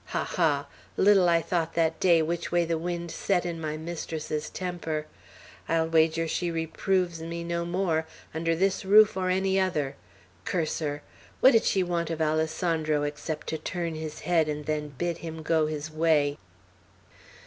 Ha, ha! Little I thought that day which way the wind set in my mistress's temper! I'll wager she reproves me no more, under this roof or any other! Curse her! What did she want of Alessandro, except to turn his head, and then bid him go his way!"